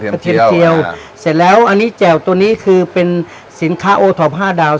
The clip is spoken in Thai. เทียมเจียวเสร็จแล้วอันนี้แจ่วตัวนี้คือเป็นสินค้าโอท็อป๕ดาว